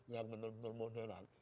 yang betul betul modern